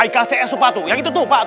hks tuh pak yang itu tuh pak